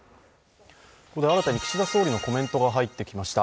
ここで新たに岸田総理のコメントが入ってきました。